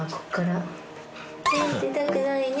出たくないね。